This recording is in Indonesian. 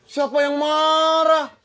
siapa yang marah